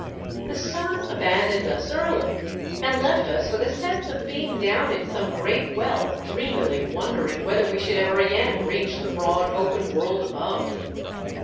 The sun abandoned us early, and left us with a sense of being down in some great well dreamily wondering whether we should ever again reach the broad, open world above.